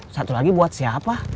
satu lagi buat siapa